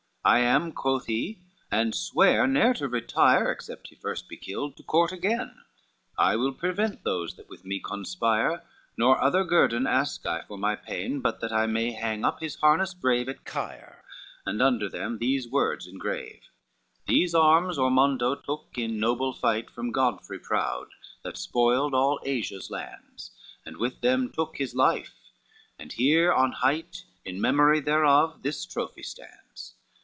"I am," quoth he, "and swear ne'er to retire, Except he first be killed, to court again. I will prevent those that with me conspire: Nor other guerdon ask I for my pain But that I may hang up his harness brave At Gair, and under them these words engrave: LXIV "'These arms Ormondo took in noble fight From Godfrey proud, that spoiled all Asia's lands, And with them took his life, and here on high, In memory thereof, this trophy stands.